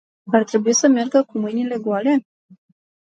Ar trebui să meargă cu mâinile goale?